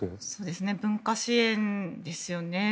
文化支援ですよね。